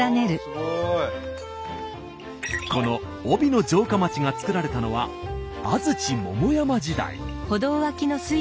この飫肥の城下町がつくられたのは安土桃山時代。